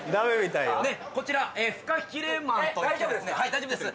大丈夫ですか？